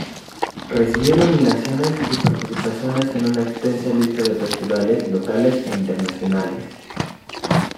Recibió nominaciones y participaciones en una extensa lista de festivales locales e internacionales.